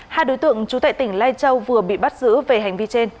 hai đối tượng trú tại tỉnh lai châu vừa bị bắt giữ về hành vi trên